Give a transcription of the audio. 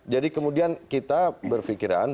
jadi kemudian kita berpikiran